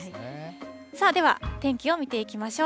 さあ、では天気を見ていきましょう。